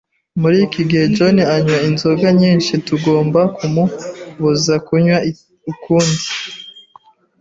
Muri iki gihe, John anywa inzoga nyinshi. Tugomba kumubuza kunywa ukundi.